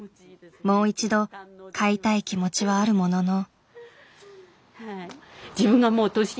もう一度飼いたい気持ちはあるものの。